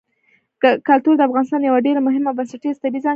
کلتور د افغانستان یوه ډېره مهمه او بنسټیزه طبیعي ځانګړتیا ګڼل کېږي.